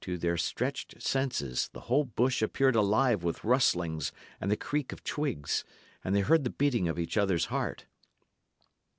To their stretched senses, the whole bush appeared alive with rustlings and the creak of twigs; and they heard the beating of each other's heart.